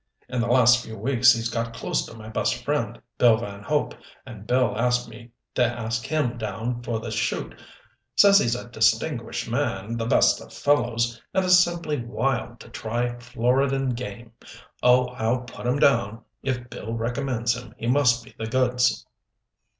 In the last few weeks he's got close to my best friend, Bill Van Hope, and Bill asked me to ask him down for this shoot. Says he's a distinguished man, the best of fellows, and is simply wild to try Floridan game. Oh, I'll put him down. If Bill recommends him he must be the goods."